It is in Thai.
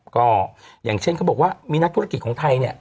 ก็อย่างเช่นเขาบอกว่ามีนักธุรกิจของไทยเนี่ย